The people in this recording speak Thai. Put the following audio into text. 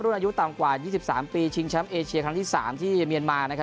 รุ่นอายุต่ำกว่า๒๓ปีชิงช้ำเอเชียครั้งที่๓ที่เมียนมาร์นะครับ